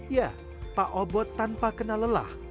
ya pak obot tanpa kena lelah